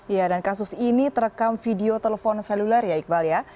ya dan kasus ini terekam video telepon seluler ya iqbal ya